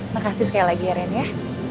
makasih sekali lagi ya randy ya